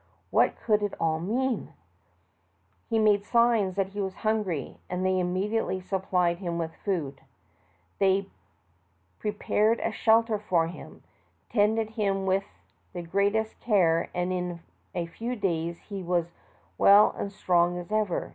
What could it all mean ? He made signs that he was hungry, and they immediately supplied him with food. They pre A CORROBOREE IN AUSTRALIA. 199 pared a shelter for him, tended him with the greatest eare, and in a few days he was .as well and strong as ever.